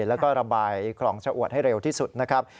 แล้วก็ระบายคลองชะอวดให้เร็วที่สุดนะครับ